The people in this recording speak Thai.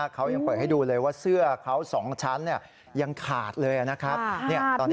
เขายังเปิดให้ดูเลยว่าเสื้อเขา๒ชั้นยังขาดเลยนะครับ